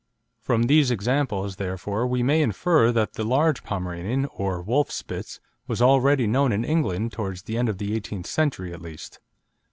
From these examples, therefore, we may infer that the large Pomeranian, or Wolf Spitz, was already known in England towards the end of the eighteenth century at least.